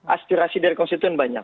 aspirasi dari konstituen banyak